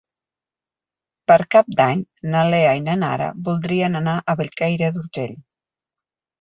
Per Cap d'Any na Lea i na Nara voldrien anar a Bellcaire d'Urgell.